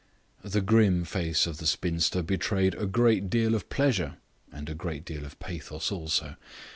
The grim face of the spinster betrayed a great deal of pleasure and a great deal of pathos also.